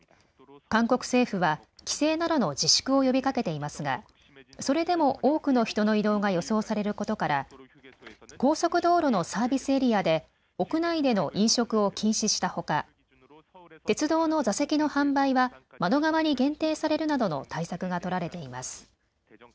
韓国政府は、帰省などの自粛を呼びかけていますがそれでも多くの人の移動が予想されることから高速道路のサービスエリアで屋内での飲食を禁止したほか鉄道の座席の販売は窓側に限定されるなどの対策が取られています。